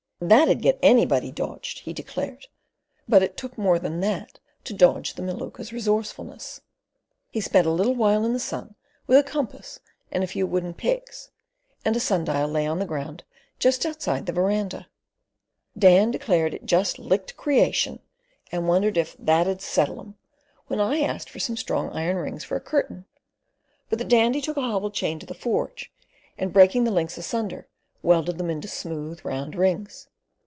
"That 'ud get anybody dodged," he declared; but it took more than that to "dodge" the Maluka's resourcefulness. He spent a little while in the sun with a compass and a few wooden pegs, and a sundial lay on the ground just outside the verandah. Dan declared it just "licked creation," and wondered if "that 'ud settle 'em," when I asked for some strong iron rings for a curtain. But the Dandy took a hobble chain to the forge, and breaking the links asunder, welded them into smooth round rings.